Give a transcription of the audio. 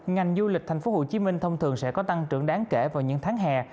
ngành du lịch thành phố hồ chí minh thông thường sẽ có tăng trưởng đáng kể vào những tháng hè